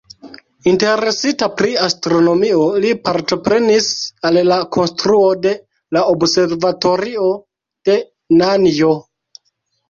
Interesita pri astronomio, li partoprenis al la konstruo de la observatorio de Nan'jo.